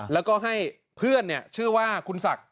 แล้วก็ให้เพื่อนชื่อว่าคุณศักดิ